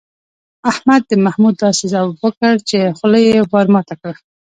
احمد د محمود داسې ځواب وکړ، چې خوله یې ور ماته کړه.